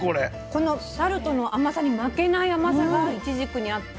このタルトの甘さに負けない甘さがいちじくにあって。